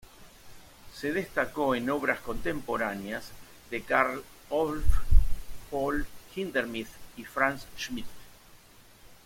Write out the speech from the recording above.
Se destacó en obras contemporáneas de Carl Orff, Paul Hindemith y Franz Schmidt.